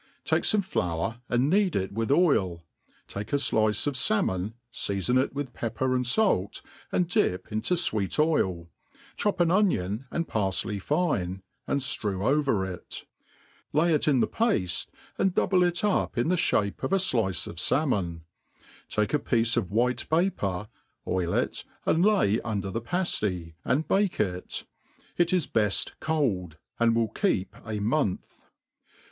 TAKE fome flour, and knead it ^ith Oil ; take a flice qf fal* mon; feafon it with pepper and falt^ and^p into fweet orl^ chop an onion and parfley fine, and ftrew over it ; lay it in the pzStci^ and double it up in the (bape of a flice of falmon : take a pi^ce of white papery oil it, and lay under the pafty, and h^ke it ; it is beft cold^ and will keep a month.